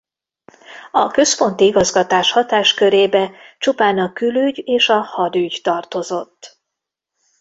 A központi igazgatás hatáskörébe csupán a külügy és a hadügy tartozott.